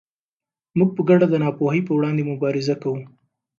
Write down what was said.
موږ په ګډه د ناپوهۍ پر وړاندې مبارزه کوو.